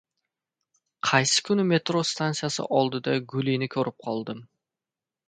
...Qaysi kuni metro stansiyasi oldida Gulini ko‘rib qoldim.